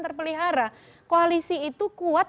terpelihara koalisi itu kuat